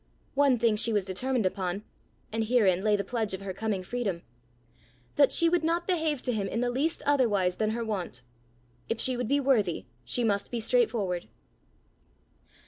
One thing she was determined upon and herein lay the pledge of her coming freedom! that she would not behave to him in the least otherwise than her wont. If she would be worthy, she must be straightforward!